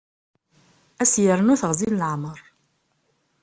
Ad as-yernu teɣzi n leɛmer.